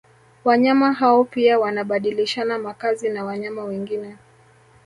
Wanyama hao pia wanabadilishana makazi na wanyama wengine